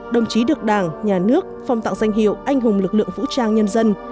đồng chí được đảng nhà nước phong tặng danh hiệu anh hùng lực lượng vũ trang nhân dân